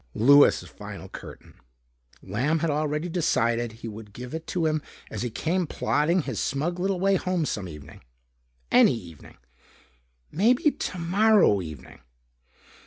Louis' final curtain. Lamb had already decided he would give it to him as he came plodding his smug little way home some evening. Any evening. Maybe tomorrow evening.